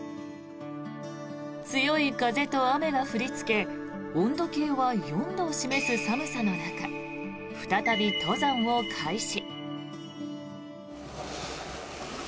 強い風と雨が降りつけ温度計は４度を示す寒さの中再び登山を開始。